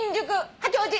「八王子」